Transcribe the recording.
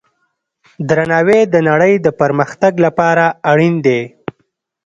درناوی د نړۍ د پرمختګ لپاره اړین دی.